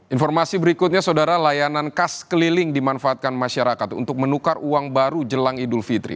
informasi berikutnya saudara layanan khas keliling dimanfaatkan masyarakat untuk menukar uang baru jelang idul fitri